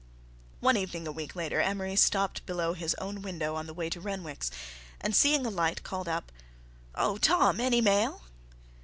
One evening a week later Amory stopped below his own window on the way to Renwick's, and, seeing a light, called up: "Oh, Tom, any mail?"